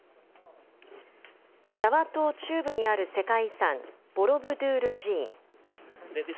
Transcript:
ジャワ島中部にある世界遺産、ボロブドゥール寺院。